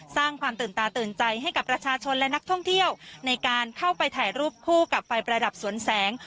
สร้างความตื่นตาตื่นใจให้กับประชาชนและนักท่องเที่ยวในการเข้าไปถ่ายรูปคู่กับไฟประดับสวนแสง